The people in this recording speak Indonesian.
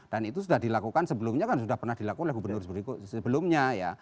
dan itu sudah dilakukan sebelumnya kan sudah pernah dilakukan oleh gubernur sebelumnya ya